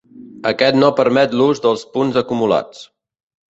Aquest no permet l'ús dels punts acumulats.